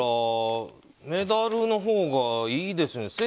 メダルのほうがいいですよね。